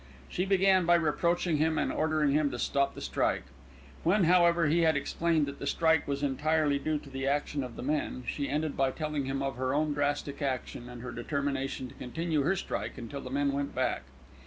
She began by reproaching him and ordering him to stop the strike. When, however, he had explained that the strike was entirely due to the action of the men, she ended by telling him of her own drastic action, and her determination to continue her strike until the men went back.